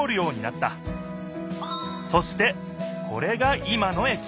そしてこれが今のえき。